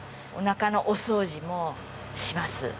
おなかのお掃除もします。